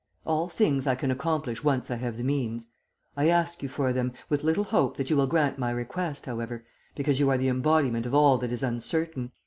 All things I can accomplish once I have the means. I ask you for them, with little hope that you will grant my request, however, because you are the embodiment of all that is uncertain.